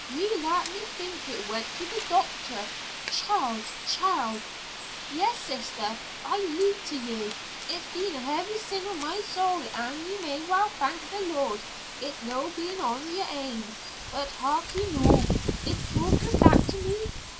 Ye lat me think it went to the doctor. Child! Child!" "Yes, sister; I lee'd to ye. It's been a heavy sin on my soul an' ye may well thank the Lord it's no been on yer ain. But hark ye noo. It's all come back to me.